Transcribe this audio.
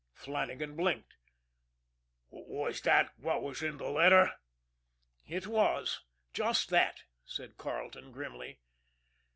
Flannagan blinked. "Was that what was in the letter?" "It was just that," said Carleton grimly.